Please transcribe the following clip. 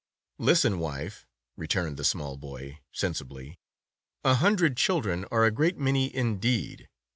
"Listen, wife," returned the small boy, sensibly, "a hundred children are a great many indeed.